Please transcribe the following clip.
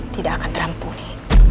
tidak akan terampuni